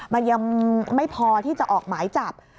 มันยังไม่พอที่จะออกหมายจับ